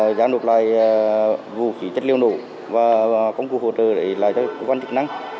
và giao nộp lại vũ khí vật liệu nổ và công cụ hỗ trợ để lại cho công an chức năng